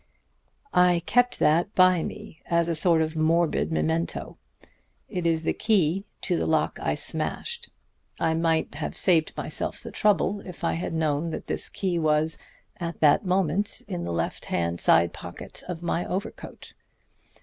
"I keep that by me as a sort of morbid memento. It is the key to the lock I smashed. I might have saved myself the trouble if I had known that this key was at that moment in the left hand side pocket of my overcoat.